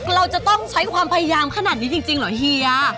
เราจะต้องใช้ความพยายามขนาดนี้จริงเหรอเฮีย